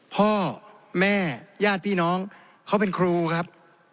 พ่อแม่ญาติพี่น้องเขาเป็นครูครับ